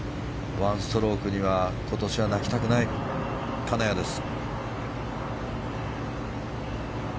１ストロークには今年は泣きたくない金谷です。